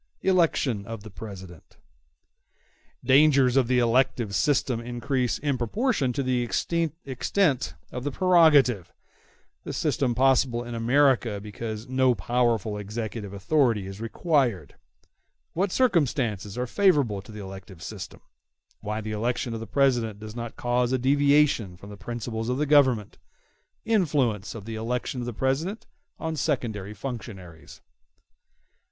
Election Of The President Dangers of the elective system increase in proportion to the extent of the prerogative—This system possible in America because no powerful executive authority is required—What circumstances are favorable to the elective system—Why the election of the President does not cause a deviation from the principles of the Government—Influence of the election of the President on secondary functionaries.